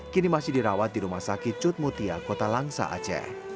kini masih dirawat di rumah sakit cutmutia kota langsa aceh